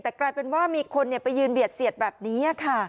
แต่กลายเป็นว่ามีคนไปยืนเบียดเสียดแบบนี้ค่ะ